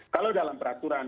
kalau dalam peraturan